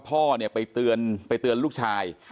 พ่อไปเตือนลูกชาย